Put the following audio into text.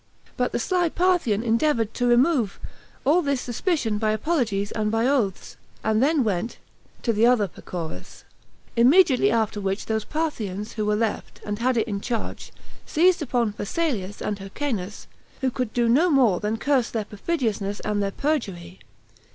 But the sly Parthian endeavored to remove all this suspicion by apologies and by oaths, and then went [to the other] Pacorus; immediately after which those Parthians who were left, and had it in charge, seized upon Phasaelus and Hyrcanus, who could do no more than curse their perfidiousness and their perjury.